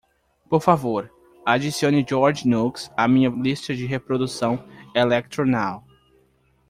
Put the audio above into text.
por favor adicione george nooks à minha lista de reprodução electronow